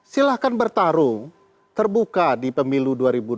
silahkan bertarung terbuka di pemilu dua ribu dua puluh